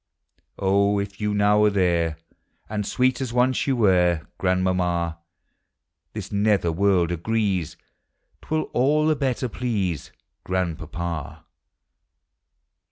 Oh, if you now are there, And sweet as once you were, Grandmamma, This nether world agrees 'T will all the better please Grandpapa.